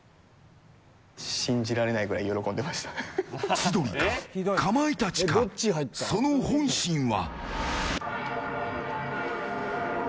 千鳥か、かまいたちかその本心は。